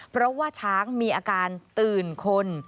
เพราะว่าช้างมีอาการตื่นคน